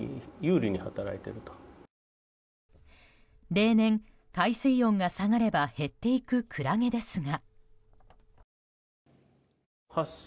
例年、海水温が下がれば減っていくクラゲですが。